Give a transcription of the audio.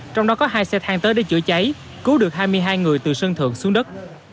trong đó có hai xe thang tới để chữa cháy cứu được hai mươi hai người từ sơn thượng xuống đất